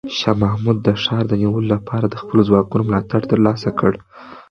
شاه محمود د ښار د نیولو لپاره د خپلو ځواکونو ملاتړ ترلاسه کړ.